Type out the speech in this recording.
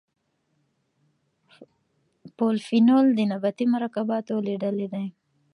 پولیفینول د نباتي مرکباتو له ډلې دي.